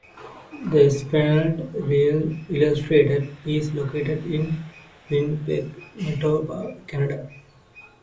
The Esplanade Riel illustrated is located in Winnipeg, Manitoba, Canada.